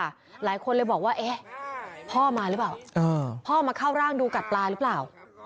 หลายคนเลยบอกว่าเอ๊ะพ่อมาหรือเปล่าพ่อมาเข้าร่างดูกัดปลาหรือเปล่า